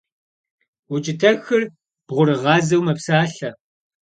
Укӏытэхыр бгъурыгъазэу мэпсалъэ.